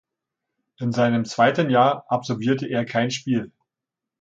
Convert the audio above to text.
In seinem Zweiten Jahr absolvierte er kein Spiel.